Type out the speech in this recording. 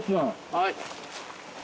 はい。